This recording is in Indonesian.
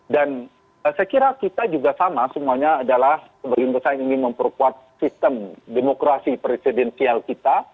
dan saya kira kita juga sama semuanya adalah bagi saya ingin memperkuat sistem demokrasi presidensial kita